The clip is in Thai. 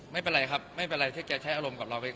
ไม่เป็นไรครับไม่เป็นไรที่แกใช้อารมณ์กับเราไป